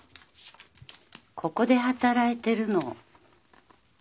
ここで働いてるの。